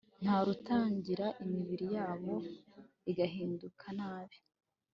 nta rutangira imibiri yabo igahinduka nabi